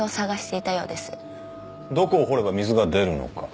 どこを掘れば水が出るのか。